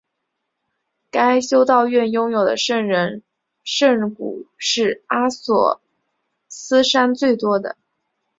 该修道院拥有的圣人圣髑是阿索斯山最多的。